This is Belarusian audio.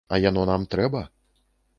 А яно нам трэба?